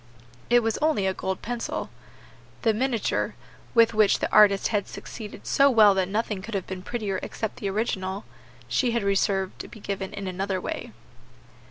It was only a gold pencil. The miniature with which the artist had succeeded so well that nothing could have been prettier except the original herself she had reserved to be given in another way.